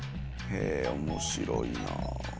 へえ面白いなあ。